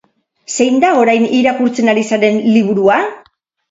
Zein da orain irakurtzen ari zaren liburua?